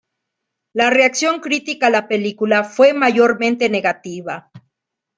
La reacción crítica a la película fue mayormente negativa.